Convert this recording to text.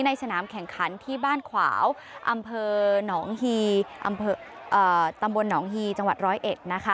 ในสนามแข่งขันที่บ้านขวาวอำเภอตำบลหนองฮีจังหวัดร้อยเอ็ด